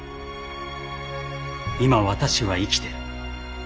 今私は生きてる。